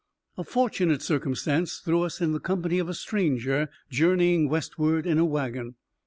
A fortunate circumstance threw us in the company of a stranger journeying westward in a wagon.